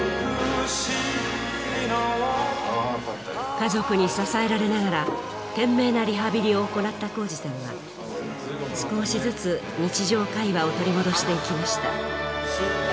家族に支えられながら懸命なリハビリを行った宏司さんは少しずつ日常会話を取り戻していきました。